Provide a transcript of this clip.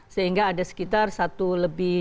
sehingga ada sekitar satu lebih